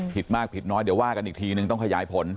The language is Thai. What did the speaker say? ผิดมากผิดน้อยเดี๋ยวว่ากันอีกทีนึงต้องขยายผล